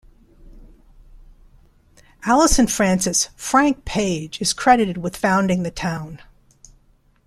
Allison Francis "Frank" Page is credited with founding the town.